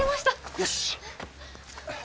よし！